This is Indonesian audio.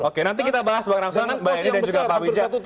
oke nanti kita bahas pak ramzan pak wiyadi dan juga pak wijah